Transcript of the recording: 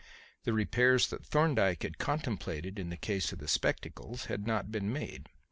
The repairs that Thorndyke had contemplated in the case of the spectacles, had not been made.